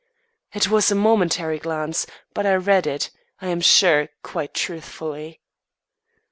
It was a momentary glance, but I read it, I am sure, quite truthfully.